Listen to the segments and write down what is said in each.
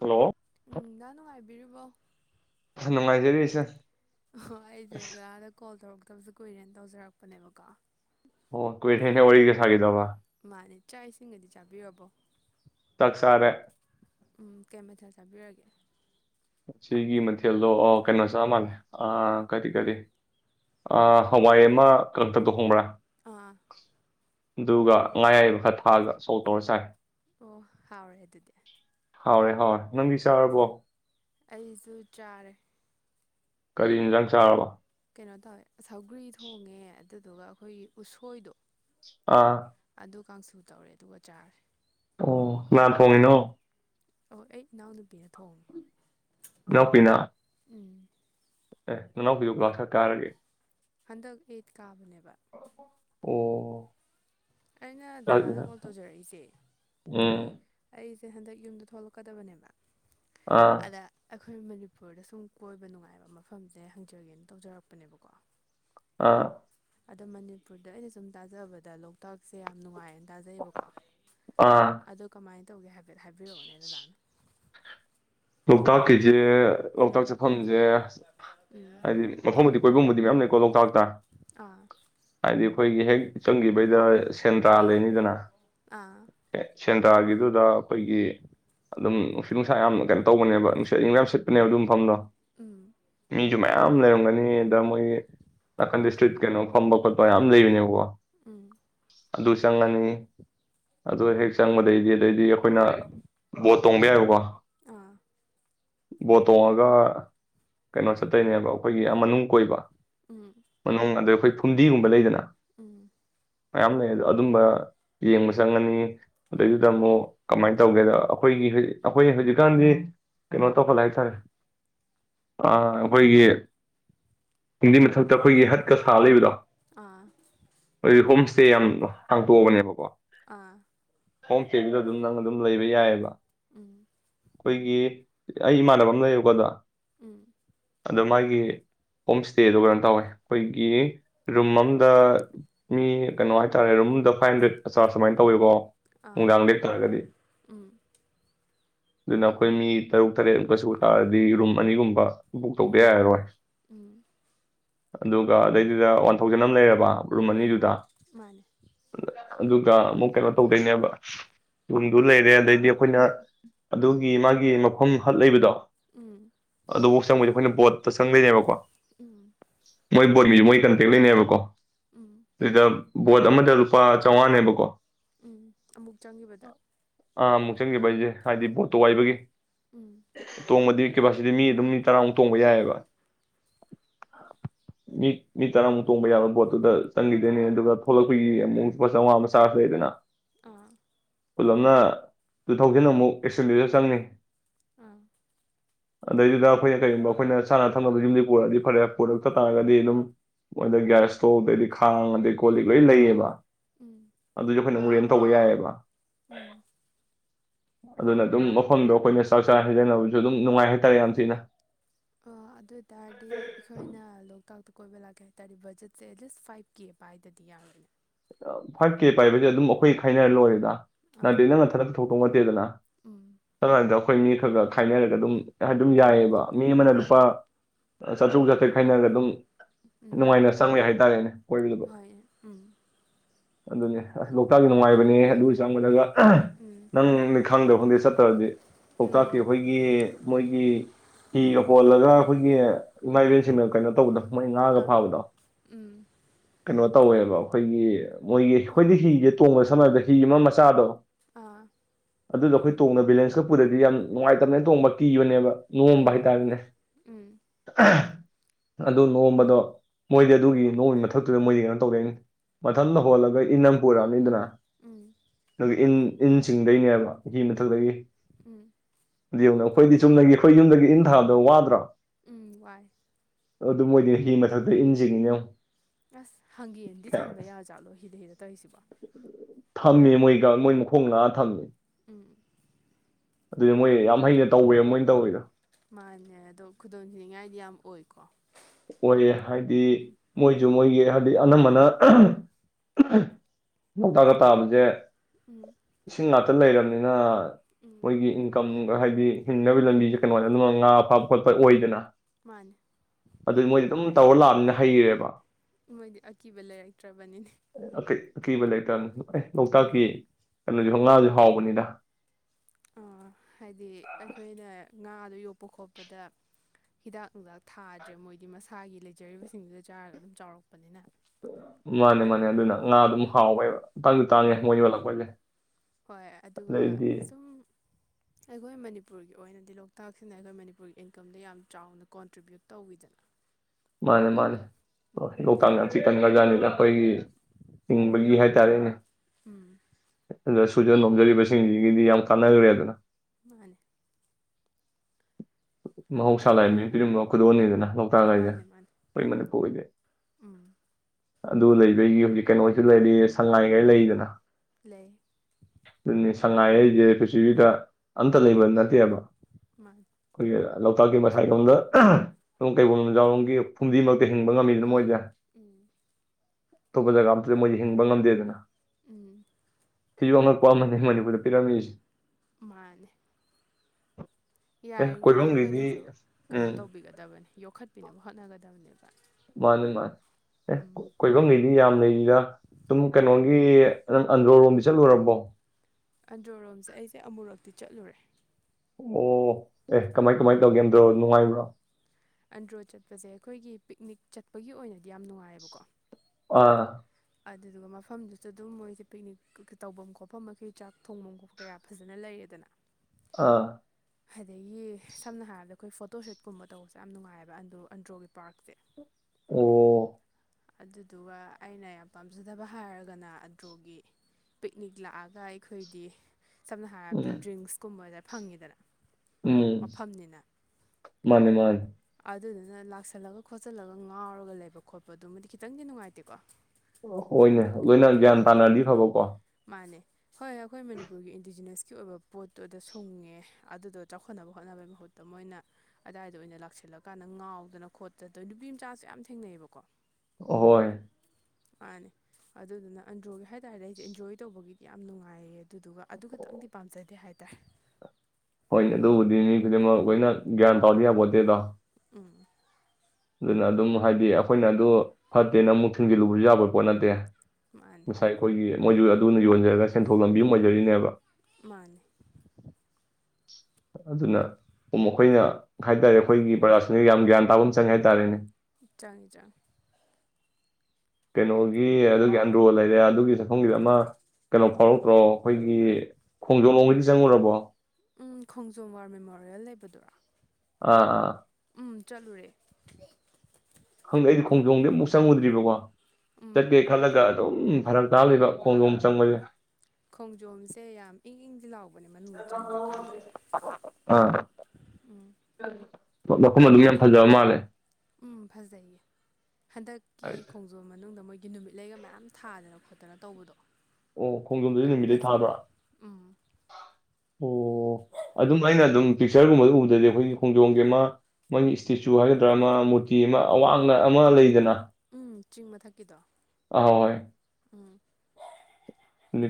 Hello ꯎꯝ ꯗꯥ ꯅꯨꯡꯉꯥꯏꯕꯤꯔꯤꯕꯣ ꯅꯨꯡꯉꯥꯏꯖꯔꯤ ꯏꯆꯟ ꯑꯩꯁꯦ ꯑꯁ ꯗꯥꯗꯥꯗꯥ ꯀꯣꯜ ꯇꯧꯔꯛ ꯇꯧꯗꯕꯥ ꯀꯨꯏꯔꯦꯅ ꯇꯧꯖꯔꯛꯄꯅꯦꯕꯀꯣ ꯑꯣ ꯀꯨꯏꯔꯅꯦ ꯋꯥꯔꯤ ꯁꯥꯥꯏꯒꯗꯕ ꯃꯥꯅꯦ ꯆꯥꯛ ꯏꯁꯤꯡꯒꯗꯤ ꯆꯥꯕꯤꯕꯣ ꯆꯥꯛ ꯆꯥꯔꯦ ꯎꯝ ꯀꯌꯥꯝ ꯃꯊꯦꯜ ꯆꯥꯕꯤꯔꯒꯦ ꯁꯤꯒꯤ ꯃꯊꯦꯜꯗꯣ ꯀꯩꯅꯣ ꯆꯠ ꯃꯥꯜꯂꯦ ꯀꯔꯤ ꯀꯔꯤ ꯍꯋꯥꯏ ꯑꯃ ꯀꯥꯡꯇꯛ ꯇꯣ ꯈꯪꯕ꯭ꯔꯥ ꯑꯥ ꯑꯗꯨꯒꯥ ꯉꯥ ꯑꯌꯥꯏꯕ ꯈꯔ ꯊꯥꯛꯑꯒ ꯁꯣꯛ ꯇꯧꯔ ꯆꯥꯏ ꯑꯣ ꯍꯥꯎꯔꯦ ꯑꯗꯨꯗꯤ ꯍꯥꯎꯔꯦ ꯍꯥꯎꯦ ꯅꯪꯗꯤ ꯆꯥꯔꯕꯣ ꯑꯩꯁꯨ ꯆꯥꯔꯦ ꯀꯔꯤ ꯏꯟꯖꯥꯡ ꯆꯥꯔꯕ ꯀꯩꯅꯣ ꯇꯧꯋꯦ ꯁꯧꯒ꯭ꯔꯤ ꯊꯣꯡꯉꯦ ꯑꯗꯨꯗꯨꯒ ꯑꯩꯈꯣꯏꯒꯤ ꯎꯁꯣꯏꯗꯣ [inaudible] ꯑꯥ ꯑꯗꯨ ꯀꯥꯡꯁꯨ ꯇꯧꯔꯦ ꯑꯗꯨꯒ ꯆꯥꯔꯦ ꯑꯣ ꯀꯅꯥꯟ ꯊꯣꯡꯉꯤꯅꯣ ꯑꯣ ꯑꯩ ꯏꯅꯥꯎ ꯅꯨꯄꯤꯅ ꯊꯣꯡꯉꯦ ꯏꯅꯥꯎꯄꯤꯅ ꯎꯝ ꯑꯦ ꯅꯅꯥꯎ ꯅꯨꯄꯤꯗꯣ ꯀꯂꯥꯁ ꯀꯌꯥ ꯀꯥꯔꯒꯦ ꯍꯟꯗꯛ ꯑꯩꯏꯠ ꯀꯥꯕꯅꯦꯕ ꯕ ꯑꯣ ꯑꯩꯅ ꯗꯗꯥꯗ ꯀ꯭ꯂꯥꯁ ꯀꯣꯜ ꯇꯧꯖꯔꯛꯏꯁꯦ ꯎꯝ ꯑꯩꯁꯦ ꯍꯟꯗꯛ ꯌꯨꯝꯗ ꯊꯣꯂꯛꯀꯗꯕꯅꯦꯕ ꯑꯥ ꯑꯗ ꯑꯩ ꯈꯣꯏ ꯃꯅꯤꯄꯨꯔꯗ ꯁꯨꯝ ꯀꯣꯏꯕ ꯅꯨꯡꯉꯥꯏꯕ ꯃꯐꯝꯁꯦ ꯍꯪꯖꯒꯦꯅ ꯇꯧꯖꯔꯛꯄꯅꯦꯕꯀꯣ ꯑꯥ ꯑꯗꯣ ꯃꯅꯤꯄꯨꯔꯗ ꯑꯩꯅ ꯁꯨꯝ ꯇꯥꯖꯕꯗ ꯂꯣꯛꯇꯥꯛꯁꯦ ꯌꯥꯝ ꯅꯨꯡꯉꯥꯏ ꯇꯥꯖꯕꯀꯣ ꯑꯥ ꯑꯗꯨ ꯀꯃꯥꯏ ꯇꯧꯒꯦ ꯍꯥꯏ ꯍꯥꯏꯕꯦꯠ ꯍꯥꯏꯕꯤꯔꯛꯑꯣꯅꯦ ꯗꯗꯥꯅ ꯂꯣꯛꯇꯥꯛ ꯀꯤꯖꯦ ꯑ-ꯂꯣꯛꯇꯥꯛ ꯎꯝ ꯆꯠꯐꯝꯁꯦ ꯎꯝ ꯍꯥꯏꯗꯤ ꯃꯐꯝꯕꯨꯗꯤ ꯀꯣꯏꯕꯝꯕꯨꯗꯤ ꯃꯌꯥꯝ ꯂꯩꯀꯣ ꯂꯣꯛꯇꯥꯛꯇ ꯑꯥ ꯍꯥꯏꯗꯤ ꯈꯣꯏꯒꯤ ꯍꯦꯛ ꯆꯪꯈꯤꯕꯩꯗ ꯁꯦꯟꯗ꯭ꯔꯥ ꯑꯥ ꯂꯩꯅꯤꯗꯅ ꯑꯥ ꯍꯦ- ꯁꯦꯟꯗ꯭ꯔꯥꯒꯤꯗꯨꯗ ꯑꯈꯣꯏꯒꯤ ꯑꯗꯨꯝ ꯅꯨꯡꯁꯤꯠ ꯅꯨꯡꯁꯥ ꯌꯥꯝ ꯀꯩꯅ ꯇꯧꯕꯅꯦꯕ ꯅꯨꯡꯁꯤꯠ ꯑꯪꯌꯤꯡꯕ ꯌꯥꯝ ꯁꯤꯠꯄꯅꯦꯕ ꯑꯗꯨ ꯃꯐꯝꯗꯣ ꯎꯨꯝ ꯌꯨꯝ ꯃꯌꯥꯝ ꯂꯩꯔꯝꯒꯅꯤ ꯑꯗ ꯃꯣꯏꯒꯤ ꯅꯥꯀꯟꯗ ꯏꯁꯇ꯭ꯔꯤꯠ ꯀꯩꯅꯣ ꯐꯝꯕ ꯈꯣꯠꯄ ꯃꯌꯥꯝ ꯂꯩꯕꯅꯦꯕꯀꯣ ꯎꯨꯝ ꯑꯗꯨ ꯆꯪꯉꯅꯤ ꯑꯗꯨ ꯍꯦꯛ ꯆꯪꯕꯗꯩꯗꯤ ꯑꯗꯩꯗꯤ ꯑꯈꯣꯏꯅ ꯕꯣꯠ ꯇꯣꯡꯕ ꯌꯥꯏꯕꯀꯣ ꯑꯥ ꯕꯣꯠ ꯇꯣꯡꯉꯒ ꯀꯩꯅꯣ ꯆꯠꯇꯣꯏꯅꯦꯕ ꯑꯩꯈꯣꯏꯒꯤ ꯑ-ꯃꯅꯨꯡ ꯀꯣꯏꯕ ꯎꯝ ꯃꯅꯨꯡ ꯑꯗꯩ ꯈꯣꯏ ꯐꯨꯝꯗꯤꯒꯨꯝꯕ ꯂꯩꯗꯅ ꯎꯨꯝ ꯃꯌꯥꯝ ꯂꯩ-ꯑ- ꯑꯗꯨꯝꯕ ꯌꯦꯡꯕ ꯆꯪꯉꯅꯤ ꯎꯝ ꯑꯩꯗꯨꯗ ꯑꯝꯃꯣ ꯀꯃꯥꯏ ꯇꯧꯒꯦꯗ ꯑꯩꯈꯣꯏꯒꯤ ꯍꯧꯖꯤ-ꯑꯩꯈꯣꯏ ꯍꯧꯖꯤꯛ ꯒꯥꯟꯖꯤ ꯀꯩꯅꯣ ꯇꯧꯈꯠꯂꯦ ꯍꯥꯏꯇꯥꯔꯦ ꯑ-ꯑꯩꯈꯣꯏꯒꯤ ꯐꯨꯝꯗꯤ ꯃꯊꯛꯇ ꯑꯩꯈꯣꯏꯒꯤ ꯍꯠꯀ ꯁꯥ ꯂꯩꯕꯗꯣ ꯑꯥ- ꯆꯦ ꯌꯥꯝ ꯍꯥꯡꯇꯣꯛꯑꯕꯅꯦꯕꯀꯣ ꯑꯥ ꯍꯣꯝꯇꯦꯗꯨꯗ ꯑꯗꯨꯝ ꯅꯪ ꯑꯗꯨꯝ ꯂꯩꯕ ꯌꯥꯏꯑꯕ ꯎꯨꯝ- ꯈꯣꯏꯒꯤ ꯑꯩ ꯏꯃꯥꯟꯅꯕ ꯑꯃ ꯂꯩꯌꯦꯕꯀꯣ ꯑꯗꯣ ꯎꯝ꯫ ꯑꯗꯣ ꯃꯥꯒꯤ ꯍꯣꯝ ꯁ꯭ꯇꯦꯗꯣ ꯀꯩꯅꯣ ꯇꯧꯋꯦ ꯈꯣꯏꯒꯤ ꯔꯨꯝ ꯑꯝꯗ ꯃꯤ ꯀꯩꯅꯣ ꯍꯥꯏꯇꯥꯔꯦ ꯔꯨꯝꯑꯝꯗ ꯐꯥꯏꯞ ꯍꯟꯗ꯭ꯔꯦꯠ ꯑꯆꯥꯔꯖ ꯁꯨꯃꯥꯏꯅ ꯇꯧꯋꯦꯀꯣ꯫ ꯑꯥ ꯅꯨꯡꯗꯥꯡ ꯂꯦꯛꯇꯔꯒꯗꯤ ꯎꯝ ꯑꯗꯨꯅ ꯑꯩꯈꯣꯏ ꯃꯤ ꯇꯔꯨꯛ-ꯇꯔꯦꯠꯃꯨꯛꯀ ꯁꯨꯔꯛꯑꯗꯤ ꯔꯨꯝ ꯑꯅꯤꯒꯨꯝꯕ ꯕꯨꯛ ꯇꯧꯕ ꯎꯝ ꯌꯥꯏꯔꯣꯏ ꯎꯝ ꯑꯗꯨꯒ ꯑꯗꯩꯗꯨꯗ ꯋꯥꯟ ꯊꯥꯎꯖꯟ ꯑꯝ ꯂꯩꯔꯕ ꯔꯨꯝ ꯎꯝ ꯑꯅꯤꯗꯨꯗ ꯃꯥꯅꯦ ꯑꯗꯨꯒ ꯑꯃꯨꯛ ꯀꯩꯅꯣ ꯇꯧꯗꯣꯏꯅꯦꯕ ꯇꯨꯡꯗꯨ ꯂꯩꯔꯦ ꯑꯗꯩꯗꯤ ꯑꯈꯣꯏꯅ ꯑꯗꯨꯒꯤ ꯃꯥꯒꯤ ꯒꯤ ꯃꯐꯝ ꯍꯠ ꯂꯩꯕꯗꯣ ꯎꯝ ꯑꯗꯨ ꯆꯪꯕꯩꯗꯤ ꯑꯩꯈꯣꯏꯅ ꯕꯣꯠꯇ ꯆꯪꯗꯣꯏꯅꯦꯕꯀꯣ ꯎꯝ꯫ [unintelligible] ꯃꯣꯏ ꯀꯟꯇꯦꯛ ꯂꯩꯅꯩꯕꯀꯣ ꯎꯝ [unintelligible] ꯕꯣꯠ ꯑꯃꯗ ꯂꯨꯄꯥ ꯆꯝꯉꯥꯅꯦꯕꯀꯣ ꯎꯝ ꯑꯃꯨꯛ ꯆꯪꯒꯤꯕꯗ ꯑꯥ ꯑꯃꯨꯛ ꯆꯪꯒꯤꯕꯩꯖꯦ ꯍꯥꯏꯗꯤ ꯕꯣꯠꯇꯣ ꯋꯥꯏꯕꯒꯤ꯫ ꯎꯝ ꯇꯣꯡꯕꯗꯤ ꯀꯦꯄꯥꯁꯤꯇꯤ ꯃꯤ ꯑꯗꯨꯝ ꯇꯔꯥꯃꯨꯛ ꯇꯣꯡꯕ ꯎꯝ ꯌꯥꯏꯑꯦꯕ ꯃꯤ ꯃꯤ ꯇꯔꯥꯃꯨꯛ ꯇꯣꯡꯕ ꯌꯥꯕ ꯕꯣꯠꯇꯨꯗ ꯆꯪꯈꯤꯗꯣꯏꯅꯦ ꯑꯗꯨꯒ ꯊꯣꯛꯂꯛꯄꯒꯤ ꯑꯃꯨꯛ ꯂꯨꯄꯥ ꯆꯧꯉꯥ ꯑꯃꯨꯛ ꯆꯥꯔꯁ ꯂꯩꯔꯦꯗꯅ ꯑꯥ ꯄꯨꯜꯂꯞꯅ ꯇꯨ ꯊꯥꯎꯖꯟ ꯑꯃꯨꯛ ꯑꯁ꯭ꯀꯄꯦꯟꯗꯤꯆ꯭ꯔ ꯆꯪꯅꯤ ꯑꯥ ꯑꯗꯩꯗꯨꯗ ꯑꯩꯈꯣꯏꯅ ꯀꯩꯒꯨꯝꯕ ꯑꯩꯈꯣꯏꯅ ꯆꯥꯅ ꯊꯛꯅꯕꯗ ꯌꯨꯝꯗꯤ ꯄꯨꯣꯔꯔꯛꯑꯗꯤ ꯐꯔꯦ ꯄꯨꯔꯛꯇ ꯇꯥꯔꯒꯗꯤ ꯑꯗꯨꯝ ꯃꯣꯏꯗ ꯒ꯭ꯌꯥꯁ ꯏꯁꯇꯣꯞ ꯑꯗꯩꯗꯤ ꯈꯥꯡ ꯑꯗꯩ ꯀꯣꯂꯤꯛ ꯂꯣꯏ ꯂꯩꯌꯦꯕ ꯎꯝ ꯑꯩꯈꯣꯏꯅꯃꯨꯛ ꯔꯦꯟ ꯇꯧꯕ ꯌꯥꯏꯑꯕ ꯎꯝ ꯑꯗꯨꯅ ꯑꯗꯨꯝ ꯃꯐꯝꯗꯣ ꯑꯩꯈꯣꯏꯅ ꯆꯥꯛ ꯆꯥ ꯍꯩꯖꯥꯟꯅꯕꯁꯨ ꯑꯗꯨꯝ ꯅꯨꯡꯉꯥꯏ ꯍꯥꯏꯇꯥꯔꯦ ꯌꯥꯝ ꯊꯤꯅ ꯑꯣ ꯑꯗꯨ ꯑꯣꯏ ꯇꯔꯗꯤ ꯑꯩꯈꯣꯏꯅ ꯂꯣꯛꯇꯥꯛꯇ ꯀꯣꯏꯕ ꯂꯥꯛ ꯀꯩ ꯍꯥꯏꯇꯥꯔꯦ ꯕꯖꯦꯠꯁꯦ ꯑꯦꯠ ꯂꯤꯁ ꯐꯥꯏꯚ ꯀꯦ ꯄꯥꯏꯗꯗꯤ ꯌꯥꯔꯣꯏꯅꯦ ꯐꯥꯏꯚ ꯀꯦ ꯄꯥꯏꯕꯁꯦ ꯑꯗꯨꯝ ꯑꯩꯈꯣꯏ ꯈꯥꯏꯅꯔ ꯂꯣꯏꯔꯦꯗ ꯅꯗꯦ ꯑꯥ ꯅꯪ ꯅꯊꯟꯇ ꯄꯨꯊꯣꯛꯇꯧ ꯅꯠꯇꯦꯗꯅ ꯎꯝ ꯁꯝꯅ ꯍꯥꯏꯔꯕꯗ ꯑꯩꯈꯣꯏ ꯃꯤ ꯈꯔ ꯒ ꯈꯥꯏꯅꯔꯒ ꯑꯗꯨꯝ ꯑꯗꯨꯝ ꯎꯝ ꯌꯥꯏꯑꯕ ꯃꯤ ꯑꯃꯅ ꯑꯥ ꯂꯨꯄꯥ ꯆꯥꯇ꯭ꯔꯨꯛ ꯆꯥꯇ꯭ꯔꯦꯠ ꯈꯥꯏꯅꯔꯒ ꯑꯗꯨꯝ ꯎꯝ ꯅꯨꯡꯉꯥꯏꯅ ꯆꯪꯉꯣꯏ ꯍꯥꯏꯇꯔꯦꯅꯦ ꯀꯣꯏꯆꯠꯄ ꯍꯣꯏ ꯎꯝ ꯑꯗꯨꯅꯦ ꯑꯁ ꯂꯣꯛꯇꯥꯛꯒꯤ ꯅꯨꯡꯉꯥꯏꯕꯅꯦ ꯑꯗꯨ ꯆꯪꯕꯗꯒ ꯎꯝ ꯅꯪ ꯅꯤꯡ ꯈꯪꯗ ꯈꯪꯗꯦ ꯆꯠ [unintelligible] ꯎꯝ ꯄꯧꯇꯥꯛꯀꯤ ꯑꯩꯈꯣꯏꯒꯤ ꯃꯣꯏꯒꯤ ꯐꯤꯒ ꯄꯣꯜꯂꯒ ꯑꯩꯈꯣꯏꯒꯤ ꯏꯃꯥ ꯏꯕꯦꯜꯁꯤꯡꯅ ꯀꯩꯅꯣ ꯇꯧꯕꯗ ꯃꯣꯏ ꯉꯥꯒ ꯑꯥ ꯐꯥꯕꯗꯣ ꯎꯝ ꯀꯩꯅꯣ ꯇꯧꯋꯦꯕꯣ ꯑꯩꯈꯣꯏꯒꯤ ꯃꯣꯏꯒꯤ ꯑꯩꯈꯣꯏꯒꯤ ꯍꯤꯤꯁꯦ ꯇꯣꯡꯕ ꯁꯝꯅꯔꯕꯗ ꯍꯤ ꯑꯃ ꯃꯆꯥꯗꯣ ꯑꯥ ꯑꯗꯨꯗ ꯑꯩꯈꯣꯏ ꯇꯣꯡꯗ ꯕꯦꯂꯦꯟꯁ ꯈꯛ ꯄꯨꯔꯗꯤ ꯌꯥꯝ ꯅꯨꯡꯉꯥꯏꯇꯕꯅ ꯇꯣꯡꯕ ꯀꯤꯕꯅꯦꯕ꯫ ꯅꯣꯝꯕ ꯎꯝ ꯍꯥꯏꯇꯥꯔꯦꯅꯦ ꯎꯝ ꯑꯗꯨ ꯅꯣꯡꯝꯕꯗꯣ ꯃꯣꯏꯗꯤ ꯑꯗꯨꯒꯤ ꯅꯣꯡꯃꯒꯤ ꯃꯊꯛꯇꯨꯗ ꯃꯣꯏꯗꯤ ꯀꯩꯅꯣ ꯇꯧꯗꯅꯤ ꯃꯊꯟꯇ ꯍꯣꯜꯂꯒ ꯏꯅꯝ ꯄꯨꯔꯛꯑꯕꯅꯤꯗꯅ ꯎꯝ ꯑꯗꯨꯒ ꯏꯟ ꯏꯟꯁꯤꯡꯗꯩꯅꯦꯕ ꯏ ꯎꯝ ꯃꯊꯛꯗꯒꯤ ꯎꯝ ꯌꯦꯟꯉꯣ ꯑꯩꯈꯣꯏꯗꯤ ꯆꯨꯝꯅꯒꯤ ꯑꯩꯈꯣꯏ ꯌꯨꯝꯗꯒꯤ ꯏꯟ ꯊꯥꯗꯣ ꯋꯥꯗ꯭ꯔꯣ ꯎꯝ ꯋꯥꯏ ꯑꯗꯨ ꯃꯣꯏꯗꯤ ꯍꯤ ꯃꯊꯛꯇ ꯏꯟꯁꯤꯅꯤꯅꯦ [unintelligible] ꯑꯁ ꯍꯪꯒꯦꯗꯤ ꯊꯝꯕ ꯌꯥꯖꯥꯠꯂꯣ ꯍꯤꯗ ꯍꯤꯗ ꯇꯧꯔꯤꯁꯤꯕꯣ ꯊꯝꯃꯤ ꯃꯣꯏꯒ ꯃꯣꯏ ꯃꯈꯣꯡ ꯂꯥꯛꯑ ꯊꯝꯃꯤ ꯎꯝ ꯑꯗꯨꯗꯤ ꯃꯣꯏ ꯌꯥꯝ ꯍꯩꯅ ꯇꯧꯋꯦꯕ ꯃꯣꯏꯅ ꯇꯧꯋꯤꯗꯣ ꯃꯥꯅꯦ ꯑꯗꯣ ꯈꯨꯗꯣꯡ ꯊꯤꯅꯤꯡꯉꯥꯏꯗꯤ ꯌꯥꯝ ꯑꯣꯏꯀꯣ꯫ ꯑꯣꯏꯌꯦ ꯍꯥꯏꯗꯤ ꯎꯝ ꯃꯣꯏꯁꯨ ꯃꯣꯏꯒꯤ ꯍꯥꯏꯗꯤ ꯑꯅꯝꯕꯅ ꯂꯣꯛꯇꯥꯛꯇ ꯇꯥꯕꯁꯦ ꯎꯝ ꯁꯤꯁꯤꯡꯉ [unintelligible] ꯈꯇ ꯂꯩꯔꯕꯅꯤꯅ ꯎꯝ ꯃꯣꯏꯒꯤ ꯏꯟꯀꯝ ꯍꯥꯏꯗꯤ ꯍꯕꯤ ꯂꯕꯤꯁꯦ ꯀꯩꯅꯣ ꯑꯗꯨ [unintelligible] ꯑꯣꯏꯗꯅ ꯃꯥꯅꯦ ꯃꯣꯏꯗꯤ ꯑꯗꯨꯝ ꯇꯧꯔ ꯂꯥꯑꯅꯤꯅ ꯍꯩꯔꯦꯕ꯫ ꯃꯣꯏꯗꯤ ꯑꯀꯤꯕ ꯂꯩꯔꯛꯇ꯭ꯔꯕꯅꯤꯅꯦ ꯑꯀꯩ ꯑꯀꯤꯕ ꯂꯩ ꯇꯥꯕꯅꯤ ꯑꯦ ꯎꯝ ꯂꯣꯛꯇꯥꯛꯀꯤ ꯀꯩꯅꯣꯁꯨ ꯍ ꯉꯁꯨ ꯍꯥꯎꯕꯅꯤꯅ ꯑꯣ ꯍꯥꯏꯗꯤ ꯑꯩꯈꯣꯏꯅ ꯉꯥꯗꯣ ꯌꯣꯛꯄ ꯈꯣꯠꯄꯗ ꯍꯤꯗꯥꯛ ꯅꯨꯡꯗꯥꯛ ꯊꯥꯗ꯭ꯔꯦ ꯃꯣꯏꯗꯤ ꯃꯁꯥꯒꯤ ꯂꯩꯖꯔꯤꯕꯁꯤꯡꯗꯨꯗ ꯆꯥꯔꯒ ꯑꯗꯨꯝ ꯆꯥꯎꯔꯛꯄꯅꯤꯅ꯫ ꯃꯥꯅꯦ ꯃꯥꯅꯦ ꯑꯗꯨꯅ ꯉꯥ ꯑꯗꯨꯝ ꯍꯥꯎꯋꯦꯕ꯫ ꯇꯥꯡꯁꯨ ꯇꯥꯡꯉꯦ ꯎꯝ ꯃꯣꯏ ꯌꯣꯜꯂꯛꯄꯁꯦ ꯍꯣꯏ ꯑꯗꯨꯒ ꯑꯗꯩꯗꯤ ꯁꯁꯨꯝ ꯑꯩꯈꯣꯏ ꯃꯅꯤꯄꯨꯔꯒꯤ ꯒꯤ ꯑꯣꯏꯅꯗꯤ ꯂꯣꯛꯇꯥꯛꯁꯤꯅ ꯑꯩꯈꯣꯏ ꯃꯅꯤꯄꯨꯔꯒꯤ ꯏꯟꯀꯝꯗ ꯌꯥꯝ ꯆꯥꯎꯅ ꯀꯣꯟꯇ꯭ꯔꯤꯕ꯭ꯌꯨꯠ ꯇꯧꯕꯋꯤꯗꯅ꯫ ꯃꯥꯅꯦ ꯃꯥꯅꯦ ꯂꯣꯛꯇꯥꯛꯅ ꯌꯥꯝ ꯊꯤꯟ ꯀꯟꯒ꯭ꯔꯖꯥꯠꯅꯤꯗ ꯑꯩꯈꯣꯏꯒꯤ ꯍꯤꯡꯕꯒꯤ ꯍꯥꯏ [inaudible] ꯎꯝ ꯑꯗꯨꯗ ꯁꯨꯖ ꯅꯣꯝꯖꯔꯤꯕꯁꯤꯡꯁꯤꯒꯤꯗꯤ ꯌꯥꯝ ꯀꯥꯟꯅꯒꯔꯦꯗꯅ꯫ ꯃꯥꯅꯦ ꯃꯍꯧꯁꯥ ꯑꯗꯒꯤ ꯂꯥꯏꯔꯦꯝꯕꯤꯅ ꯄꯤꯔꯝꯕ ꯈꯨꯗꯣꯜꯅꯤꯗꯅ ꯂꯣꯛꯇꯥꯛ ꯍꯥꯏꯁꯦ ꯃꯥꯅꯦ ꯃꯥꯅꯦ ꯑꯩꯈꯣꯏ ꯃꯅꯤꯄꯨꯔꯒꯤꯗꯤ ꯎꯝ ꯫ ꯑꯗꯨ ꯂꯩꯕꯩꯒꯤ ꯍꯧꯖꯤꯛ ꯀꯩꯅꯣꯁꯨ ꯂꯩꯔꯤ ꯁꯉꯥꯏ ꯒꯗꯨ ꯂꯩꯔꯤꯗꯅ꯫ ꯂꯩ ꯁꯉꯥꯏ ꯍꯥꯏꯁꯦ ꯄ꯭ꯔꯤꯊꯤꯕꯤꯗ ꯑꯝꯇ ꯂꯩꯕ ꯅꯠꯇꯦ ꯍꯥꯏꯕ꯫ ꯃꯥꯅꯤ ꯑꯩꯈꯣꯏꯒꯤ ꯂꯣꯛꯇꯥꯛꯀꯤ ꯃꯁꯥꯏꯒꯣꯟꯗ ꯑ ꯀꯩꯕꯨꯜ ꯂꯝꯖꯥꯎꯔꯣꯝꯒꯤ ꯐꯨꯝꯗꯤ ꯃꯔꯛꯇ ꯍꯤꯡꯕ ꯉꯝꯃꯤꯗꯅ ꯃꯣꯏꯗꯤ꯫ ꯎꯝ ꯑꯇꯣꯞꯄ ꯖꯒꯥ ꯑꯝꯇꯗꯤ ꯃꯣꯏꯁꯦ ꯍꯤꯡꯕ ꯉꯝꯗꯦꯗꯅ꯫ ꯎꯝ ꯁꯤꯖꯨ ꯑꯉꯛꯄ ꯑꯃꯅꯤ ꯃꯅꯤꯄꯨꯔꯗ ꯄꯤꯔꯝꯃꯤꯁꯤ꯫ ꯃꯥꯅꯦ [inaudible] ꯌꯥꯔꯤꯒꯩꯗꯤ ꯀꯣꯏꯐꯝꯒꯤꯗꯤ ꯑꯩꯈꯣꯏꯅꯁꯨ ꯀꯩꯅꯣ ꯎꯝ ꯇꯧꯕꯤꯒꯗꯕꯅꯤ ꯌꯣꯛꯈꯠꯄꯤꯅꯕ ꯍꯣꯠꯅꯒꯗꯕꯅꯦꯕ꯫ ꯃꯥꯅꯤ ꯃꯥꯅꯤ ꯑꯦ ꯎꯝ ꯀꯣꯏꯕꯝꯒꯤꯅꯤ ꯌꯥꯝ ꯂꯩꯔꯤꯗ ꯁꯨꯝ ꯀꯩꯅꯣꯒꯤ ꯅꯡ ꯑꯟꯗ꯭ꯔꯣ ꯔꯣꯝꯗꯤ ꯆꯠꯂꯨꯔꯕꯣ꯫ ꯑꯟꯗ꯭ꯔꯣ ꯔꯣꯝꯁꯦ ꯑꯩꯁꯦ ꯑꯃꯨꯔꯛꯇꯤ ꯆꯠꯂꯨꯔꯦ꯫ ꯑꯣ, ꯑꯦ ꯀꯃꯥꯏ ꯀꯃꯥꯏꯅ ꯇꯧꯒꯦ ꯑꯟꯗ꯭ꯔꯣꯗꯣ ꯅꯨꯡꯉꯥꯏꯕ꯭ꯔꯣ꯫ ꯑꯟꯗ꯭ꯔꯣ ꯆꯠꯄꯁꯦ ꯑꯩꯈꯣꯏꯒꯤ ꯄꯤꯛꯅꯤꯛ ꯆꯠꯄꯒꯤ ꯑꯣꯏꯅꯗꯤ ꯌꯥꯝ ꯅꯨꯡꯉꯥꯏꯌꯦꯕꯀꯣ꯫ ꯑ ꯑꯗꯨꯗꯨꯒ ꯃꯐꯝꯗꯨꯁꯨ ꯑꯗꯨꯝ ꯃꯣꯏꯁꯦ ꯄꯤꯛꯅꯤꯛ ꯇꯧꯐꯝ ꯈꯣꯠꯐꯝ ꯃꯈꯩ ꯆꯥꯛ ꯊꯣꯡꯐꯝ ꯀꯌꯥ ꯐꯖꯅ ꯂꯩꯌꯦꯗꯅ꯫ ꯑꯥ ꯑꯗꯒꯤ ꯁꯝꯅ ꯍꯥꯏꯔꯕꯗ ꯑꯩꯈꯣꯏ ꯐꯣꯇꯣꯁꯨꯠ ꯀꯨꯝꯕ ꯇꯧꯕꯁꯦ ꯌꯥꯝ ꯅꯨꯡꯉꯥꯏꯑꯦꯕ ꯑꯟꯗ꯭ꯔꯣ ꯑꯟꯗ꯭ꯔꯣꯒꯤ ꯄ꯭ꯔꯥꯛꯁꯦ꯫ ꯑꯣ꯫ ꯑꯗꯨꯗꯨꯒ ꯑꯩꯅ ꯌꯥꯝ ꯄꯥꯝꯖꯗꯕ ꯍꯥꯏꯔꯒꯅ ꯑꯟꯗ꯭ꯔꯣꯒꯤ ꯄꯤꯛꯅꯤꯛ ꯂꯥꯛꯑꯒ ꯑꯩꯈꯣꯏꯗꯤ ꯁꯝꯅ ꯍꯥꯏꯔꯕꯗ ꯎꯝ ꯗ꯭ꯔꯤꯡꯁ ꯀꯨꯝꯕꯗ ꯍꯪꯏꯗꯅ꯫ ꯎꯝ, ꯃꯥꯅꯦ ꯃꯥꯅꯦ꯫ ꯑꯗꯨꯗꯨꯅ ꯂꯥꯛꯁꯜꯂꯒ ꯈꯣꯠꯆꯜꯂꯒ ꯉꯥꯎꯔꯒ ꯂꯩꯕ ꯈꯣꯠꯄ ꯄꯗꯨꯗꯤ ꯈꯤꯇꯪꯗꯤ ꯅꯨꯡꯉꯥꯏꯇꯦꯀꯣ꯫ ꯍꯣꯏꯅꯦ, ꯂꯣꯏꯅ ꯒ꯭ꯌꯥꯟ ꯇꯥꯅꯔꯗꯤ ꯐꯕꯀꯣ꯫ ꯃꯥꯅꯦ꯫ ꯍꯣꯏ, ꯑꯩꯈꯣꯏ ꯃꯅꯤꯄꯨꯔꯒꯤ ꯏꯗꯤꯖꯤꯅꯁ ꯀꯤ ꯑꯣꯏꯕ ꯄꯣꯠꯇꯨꯗ ꯁꯨꯡꯉꯦ ꯑꯗꯨꯗꯣ ꯆꯥꯎꯈꯠꯅꯕ ꯍꯣꯠꯅꯕꯩ ꯃꯍꯨꯠꯇ ꯃꯣꯏꯅ ꯑꯗꯥꯏꯗ ꯑꯣꯏꯅ ꯂꯥꯛꯁꯜꯂ ꯀꯥꯟꯗ ꯉꯥꯎꯗꯅ ꯈꯣꯠꯇꯅ ꯅꯨꯄꯤ ꯃꯆꯥꯁꯨ ꯌꯥꯝ ꯊꯦꯡꯅꯩꯑꯕꯀꯣ꯫ ꯍꯣꯏ꯫ ꯃꯥꯅꯦ ꯑꯗꯨꯗꯨꯅ ꯑꯟꯗ꯭ꯔꯣꯒꯤ ꯍꯥꯏ ꯇꯥꯔꯗꯤ ꯑꯩꯁꯦ ꯑꯦꯟꯖꯣꯏ ꯇꯧꯕꯒꯤꯗꯤ ꯌꯥꯝ ꯅꯨꯡꯉꯥꯏꯌꯦ꯫ ꯑꯗꯨꯗꯨꯒ ꯑꯗꯨ ꯇꯪꯗꯤ ꯄꯥꯝꯖꯗꯦ ꯍꯥꯏ [unintelligible] ꯍꯣꯏ ꯑꯗꯨꯕꯨꯗꯤ ꯃꯤ ꯈꯨꯗꯤꯡꯃꯛ ꯂꯣꯏꯅ ꯒ꯭ꯌꯥꯟ ꯇꯥꯎꯗꯤ ꯌꯥꯄꯣꯠꯇꯦꯗꯣ ꯎꯝ ꯑꯗꯨꯅ ꯑꯗꯨꯝ ꯍꯥꯏꯗꯤ ꯑꯩꯈꯣꯏꯅ ꯑꯗꯨ ꯐꯠꯇꯦꯅ ꯑꯃꯨꯛ ꯊꯤꯟꯖꯤꯜꯂꯨꯕꯁꯨ ꯌꯥꯕ ꯄꯣꯠ ꯅꯠꯇꯦ ꯃꯥꯅꯦ ꯉꯥꯁꯥꯏ ꯈꯣꯏꯒꯤ ꯃꯣꯏꯁꯨ ꯑꯗꯨꯅ ꯌꯣꯟꯖꯔꯒ ꯁꯦꯟꯊꯣꯛ ꯂꯝꯕꯤ ꯑꯃ ꯑꯣꯏꯖꯔꯤꯅꯦꯕ ꯃꯥꯅꯦ ꯑꯗꯨꯅ ꯑꯃꯨꯛ ꯑꯩꯈꯣꯏꯅ ꯍꯥꯏꯇꯥꯔꯦ ꯑꯩꯈꯣꯏꯒꯤ ꯄ꯭ꯔꯖꯥꯁꯤꯅ ꯌꯥꯝ ꯒ꯭ꯌꯥꯟ ꯇꯥꯐꯝ ꯆꯪꯉꯦ ꯍꯥꯏꯇꯥꯔꯦꯅꯦ ꯆꯪꯒꯤ ꯆꯥꯡ ꯀꯩꯅꯣꯒꯤ ꯑꯗꯨꯒꯤ ꯑꯟꯗ꯭ꯔꯣ ꯂꯩꯔꯦ ꯑꯗꯨꯒꯤ ꯆꯥꯛꯐꯝꯒꯤꯗ ꯑꯃ ꯀꯩꯅꯣ ꯐꯥꯎꯔꯛꯇ꯭ꯔꯣ ꯑꯩꯈꯣꯏꯒꯤ ꯈꯣꯡꯖꯣꯝ ꯂꯣꯝꯒꯤꯗꯤ ꯆꯪꯉꯨꯔꯕꯣ ꯎꯝ ꯈꯣꯡꯖꯣꯝ ꯋꯥꯔ ꯃꯦꯃꯣꯔꯤꯌꯦꯜ ꯂꯩꯕꯗꯨꯔꯥ ꯑꯥ ꯑꯥ ꯎꯝ ꯆꯠꯂꯨꯔꯦ ꯈꯪꯗꯦ ꯑꯩꯗꯤ ꯈꯣꯡꯖꯣꯝꯗꯤ ꯑꯃꯨꯛ ꯆꯪꯉꯨꯗ꯭ꯔꯤꯕꯀꯣ ꯎꯝ ꯆꯠꯀꯦ ꯈꯜꯂꯒ ꯑꯗꯨꯝ ꯐꯔꯛ ꯇꯥ ꯂꯩꯕ ꯈꯣꯡꯖꯣꯝ ꯆꯪꯕꯁꯦ ꯈꯣꯡꯖꯣꯝꯁꯦ ꯌꯥꯝ ꯏꯪ ꯏꯪꯗꯤ ꯂꯥꯎꯕ [unintelligible] ꯑꯥ ꯎꯝ ꯃꯐꯝ ꯑꯗꯨꯒꯤ ꯌꯥꯝ ꯐꯖꯕ ꯃꯥꯜꯂꯦ ꯎꯝ ꯐꯖꯩꯌꯦ ꯍꯟꯗꯛꯀꯤ ꯍꯥꯏꯗꯤ ꯈꯣꯡꯖꯣꯝ ꯃꯅꯨꯡꯗ ꯃꯣꯏ ꯒꯤ ꯅꯨꯃꯤꯠ ꯂꯩꯒ ꯃꯌꯥꯝ ꯊꯥꯗꯅ ꯈꯣꯠꯇꯅ ꯇꯧꯕꯗꯣ ꯑꯣ ꯈꯣꯡꯖꯣꯝꯗꯗꯤ ꯌꯥꯝ ꯅꯨꯃꯤꯠꯩ ꯐꯖꯩ ꯊꯥꯗ꯭ꯔꯥ꯫ ꯎꯝ ꯑꯣ ꯑꯗꯨꯝ ꯑꯩꯅ ꯑꯗꯨꯝ ꯄꯤꯛꯆꯔꯒꯨꯝꯕꯗ ꯎꯕꯗꯗꯤ ꯑꯩꯈꯣꯏꯒꯤ ꯈꯣꯡꯖꯣꯝꯒꯤ ꯑꯃ ꯃꯥꯒꯤ ꯏꯁꯇꯦꯆꯨ ꯍꯥꯏꯒꯗ꯭ꯔꯥ ꯑꯃ ꯃꯨꯔꯇꯤ ꯑꯃ ꯑꯋꯥꯡꯅ ꯑꯃ ꯂꯩꯗꯅ꯫ ꯎꯝ ꯆꯤꯡ ꯃꯊꯛꯀꯤꯗꯣ ꯑ ꯍꯣꯏ ꯎꯝ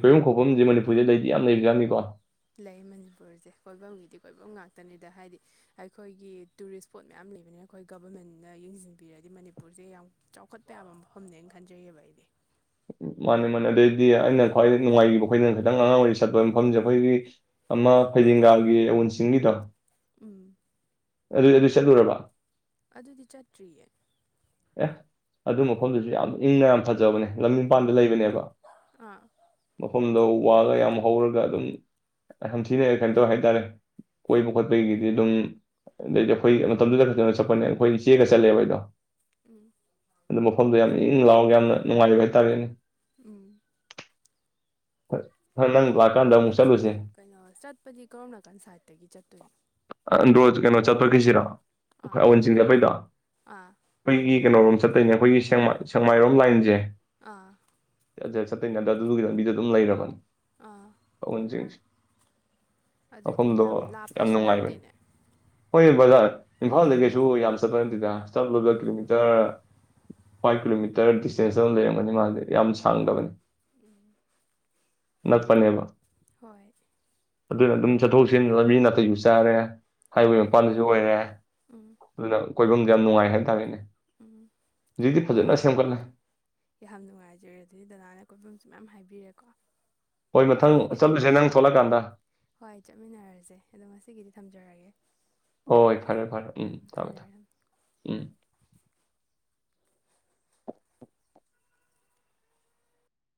ꯀꯣꯏꯨꯝ ꯈꯣꯛꯐꯝꯁꯦ ꯃꯅꯤꯄꯨꯔꯗꯩ ꯂꯩꯗꯤ ꯌꯥꯝ ꯂꯩꯕ꯭ꯔꯥꯅꯤꯀꯣ꯫ ꯂꯩ ꯃꯅꯤꯄꯨꯔꯁꯦ ꯀꯣꯏꯐꯝꯒꯤꯗꯤ ꯀꯣꯏꯐꯝ ꯉꯥꯛꯇꯅꯤꯗ ꯍꯥꯏꯗꯤ ꯑꯩꯈꯣꯏꯒꯤ ꯇꯨꯔꯤꯁ ꯏꯁꯄꯣꯠ ꯃꯌꯥꯝ ꯂꯩꯕꯅꯤꯅ ꯑꯩꯈꯣꯏ ꯒꯕꯔꯃꯦꯟꯅ ꯌꯦꯡꯁꯤꯟꯕꯤꯔꯗꯤ ꯃꯅꯤꯄꯨꯔꯁꯦ ꯌꯥꯝ ꯆꯥꯎꯈꯠꯄ ꯌꯥꯕ ꯃꯐꯝꯅꯦꯅ ꯈꯟꯖꯩꯌꯦꯕ ꯑꯩꯗꯤ꯫ ꯃꯥꯅꯦ ꯃꯥꯅꯦ ꯑꯗꯨꯗꯩꯗꯤ ꯑꯩꯅ ꯈ꯭ꯋꯥꯏ ꯅꯨꯡꯉꯥꯏꯈꯤꯕ ꯑꯩꯈꯣꯏꯅ ꯈꯤꯇꯪ ꯑꯉꯥꯡ ꯑꯣꯏꯔꯤꯩ ꯆꯠꯄ ꯃꯐꯝꯁꯦ ꯑꯩꯈꯣꯏꯒꯤ ꯑꯃ ꯐꯩꯗꯤꯡꯒꯥꯒꯤ ꯑꯎꯟꯁꯤꯡꯒꯤꯗꯣ꯫ ꯎꯝ ꯑꯗꯨ ꯑꯗꯨ ꯆꯠꯂꯨꯔꯕ꯫ ꯑꯗꯨꯗꯤ ꯆꯠꯇ꯭ꯔꯤꯌꯦ꯫ ꯑꯦ ꯑꯗꯨ ꯃꯐꯝꯗꯨꯁꯨ ꯌꯥꯝ ꯏꯪꯅ ꯌꯥꯝ ꯐꯖꯕꯅꯦ ꯂꯝꯃꯤ ꯄꯥꯟꯗ ꯂꯩꯕꯅꯦꯕ꯫ ꯑꯥ [unintelligible] ꯃꯐꯝꯗꯣ ꯋꯥꯒ ꯌꯥꯝ ꯍꯧꯔꯒ ꯑꯗꯨꯝ ꯌꯥꯝꯝꯊꯤꯅ ꯀꯩꯅꯣ ꯇꯧꯋꯦ ꯍꯥꯏꯇꯥꯔꯦ ꯀꯣꯏꯕ ꯈꯣꯠꯄꯒꯤꯗꯤ ꯑꯗꯨꯝ ꯑꯗꯩꯗꯤ ꯑꯩꯈꯣꯏ ꯃꯇꯝꯗꯨꯗ ꯐꯖꯅ ꯆꯠꯄꯅꯦ ꯑꯩꯈꯣꯏ ꯆꯦꯒ ꯆꯠꯂꯦꯕ ꯑꯩꯗꯣ꯫ ꯎꯝ ꯃꯐꯝꯗ ꯌꯥꯝ ꯏꯪ ꯂꯥꯛꯑꯣꯒ ꯌꯥꯝꯅ ꯅꯨꯡꯉꯥꯏꯖꯕ ꯍꯥꯏꯇꯥꯔꯦ꯫ ꯎꯝ ꯅꯪ ꯂꯥꯛꯀꯥꯟꯗ ꯑꯃꯨꯛ ꯃꯐꯝꯁꯦ ꯆꯠꯂꯨꯁꯦ ꯀꯩꯅꯣ ꯆꯠꯄꯗꯤ ꯀꯔꯣꯝ ꯅꯥꯀꯟ ꯁꯥꯏꯠꯇꯒꯤ ꯆꯠꯇꯣꯏꯅꯣ [unintelligible] ꯀꯩꯅꯣ ꯆꯠꯄꯈꯤꯁꯤꯔ ꯑꯩꯈꯣꯏ ꯑꯥ ꯑꯋꯟ ꯆꯤꯡꯦ ꯑꯩꯄꯩꯗ ꯑꯥ ꯑꯩꯈꯣꯏꯒꯤ ꯀꯩꯅꯣꯔꯣꯝ ꯆꯠꯇꯣꯏꯅꯦ ꯑꯩꯈꯣꯏꯒꯤ ꯁꯦꯡꯃꯥꯏꯔꯣꯝ ꯂꯥꯏꯟꯁꯦ ꯑꯥ [unintelligible] ꯆꯠꯇꯅ ꯉꯗ ꯑꯗꯨꯒꯤꯗ ꯂꯝꯕꯤꯗꯣ ꯑꯗꯨꯝ ꯂꯩꯔꯕꯅꯤ ꯑꯥ [unintelligible] ꯑꯗꯨꯗꯤ ꯃꯐꯝꯗꯣ ꯌꯥꯝ ꯌꯥꯝ ꯂꯥꯞꯄꯁꯨ ꯅꯨꯡꯉꯥꯏꯕꯅꯤ ꯅꯠꯇꯦꯅꯦ꯫ ꯍꯣꯏ ꯕꯖꯥꯔ ꯏꯝꯐꯥꯜꯗ ꯀꯩꯁꯨ ꯌꯥꯝ ꯆꯠꯄ ꯅꯠꯇꯦꯗ ꯆꯞ ꯎꯝ ꯀꯤꯂꯣꯃꯤꯇꯔ ꯐꯥꯏꯚ ꯀꯤꯂꯣꯃꯤꯇꯔ ꯗꯤꯁꯇꯦꯟꯁ ꯑꯃ ꯂꯩꯔꯝꯒꯅꯤ ꯃꯥꯗꯤ ꯌꯥꯝ ꯁꯥꯡꯗꯕꯅꯤ ꯥ [unintelligible] ꯍꯣꯏ ꯑꯗꯨꯅ ꯑꯗꯨꯝ ꯆꯠꯊꯣꯛ ꯆꯠꯁꯤ ꯃꯤ ꯅꯥꯇꯩꯁꯨ ꯆꯥꯔꯦ ꯍꯥꯏꯋꯦ ꯎꯝ ꯃꯄꯥꯟꯗꯁꯨ ꯑꯣꯏꯔꯦ ꯎꯝ ꯑꯗꯨ ꯀꯣꯏꯐꯝꯁꯦ ꯌꯥꯝ ꯅꯨꯡꯉꯥꯏ ꯍꯥꯏꯕꯇꯥꯔꯦꯅꯦ ꯎꯝ ꯍꯣꯏ ꯁꯦꯝꯒꯠꯂꯦ ꯌꯥꯝ ꯅꯨꯡꯉꯥꯏꯖꯔꯦ ꯑꯗꯨꯗꯤ ꯗꯗꯥꯅ ꯀꯣꯏꯐꯝꯁꯨ ꯃꯌꯥꯝ ꯍꯥꯏꯕꯤꯔꯛ ꯀꯥ ꯍꯣꯏ ꯃꯊꯪ ꯑꯗꯨꯗꯤ ꯆꯠꯂꯨꯁꯦ ꯑꯩ ꯅꯪ ꯊꯣꯛꯂꯛꯀꯥꯟꯗ ꯍꯣꯏ ꯆꯠꯃꯤꯟꯅꯔꯖꯦ ꯑꯗꯣ ꯉꯁꯤꯒꯤꯗꯤ ꯊꯝꯖꯔꯒꯦ ꯍꯣꯏ ꯐꯔꯦ ꯐꯔꯦ ꯎꯝ ꯊꯝꯃꯦ ꯊꯝꯃꯦ ꯊꯝꯖꯔꯒꯦ ꯊꯝ ꯎꯝ